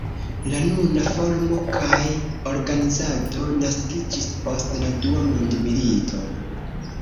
La nuna formo kaj organizado naskiĝis post la Dua mondmilito.